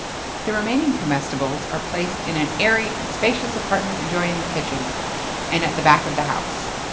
[XXII 45] The remaining comestibles are placed in an airy and spacious apartment adjoining the kitchen, and at the back of the house.